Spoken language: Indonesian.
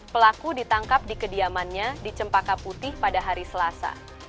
pelaku ditangkap di kediamannya di cempaka putih pada hari selasa